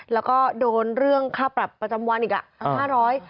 แล้วก็โดนเรื่องค่าประจำวันอีกอ่ะห้าร้อย